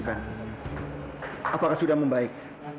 apakah dia sudah membaik